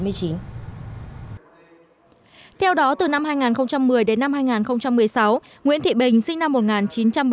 theo đó từ năm hai nghìn một mươi đến năm hai nghìn một mươi sáu nguyễn thị bình sinh năm một nghìn chín trăm bảy mươi